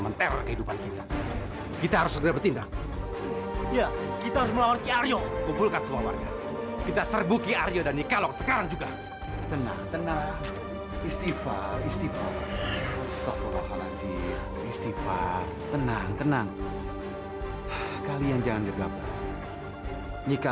sampai jumpa di video selanjutnya